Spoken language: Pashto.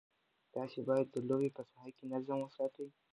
تاسي باید د لوبې په ساحه کې نظم وساتئ.